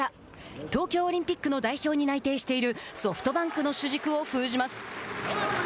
東京オリンピックの代表に内定しているソフトバンクの主軸を封じます。